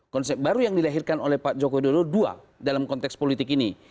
konsep baru yang dilahirkan oleh pak joko widodo dua dalam konteks politik ini